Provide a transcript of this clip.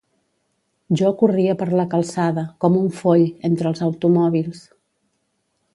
Jo corria per la calçada, com un foll, entre els automòbils.